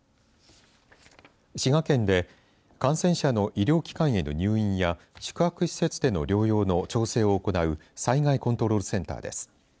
滋賀県で感染者の医療機関への入院や宿泊施設での療養の調整を行う災害コントロールセンターです。